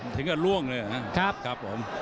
ถึงก็ล่วงเลยนะครับ